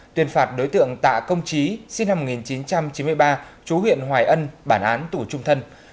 tuyên phạt đối tượng tạ công trí sinh năm một nghìn chín trăm chín mươi ba chú huyện hoài ân bản án tù trung thân